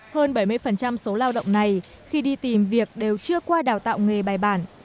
hơn bảy mươi số lao động này khi đi tìm việc đều chưa qua đào tạo nghề bài bản